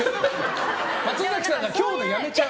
松崎さんが今日で辞めちゃう。